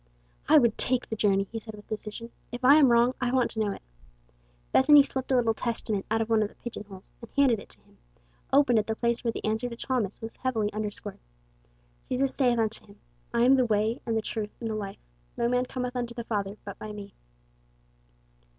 "I would take the journey," he said, with decision. "If I am wrong I want to know it." Bethany slipped a little Testament out of one of the pigeon holes, and handed it to him, opened at the place where the answer to Thomas was heavily underscored: "Jesus saith unto him, I am the way and the truth and the life; no man cometh unto the Father but by me."